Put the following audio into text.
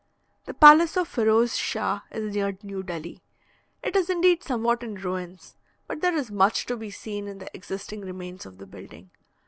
The palace of Feroze Schah is near New Delhi. It is indeed somewhat in ruins, but there is much to be seen in the existing remains of the building.